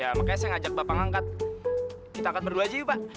ya makanya saya ngajak bapak ngangkat kita akan berdua aja yuk pak